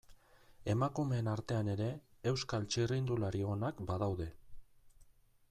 Emakumeen artean ere, Euskal txirrindulari onak badaude.